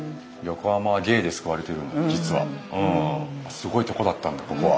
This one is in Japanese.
すごいとこだったんだここは。